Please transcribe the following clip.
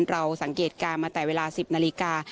เราสังเกตการณ์มาแต่เวลา๑๐นาฬิกา